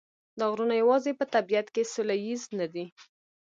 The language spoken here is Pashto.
دا غرونه یوازې په طبیعت کې سوله ییز نه دي.